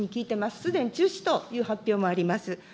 すでに中止という発表もあります。